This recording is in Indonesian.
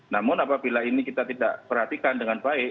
namun apabila ini kita tidak perhatikan dengan baik